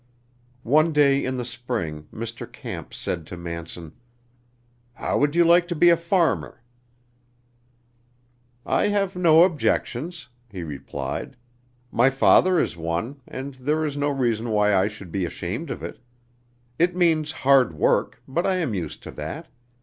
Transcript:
One day in the spring Mr. Camp said to Manson: "How would you like to be a farmer?" "I have no objections," he replied; "my father is one, and there is no reason why I should be ashamed of it. It means hard work, but I am used to that.